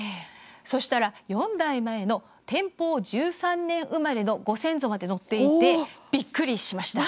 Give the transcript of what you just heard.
そうしたら、４代前の天保１３年生まれのご先祖まで載っていてびっくりしました。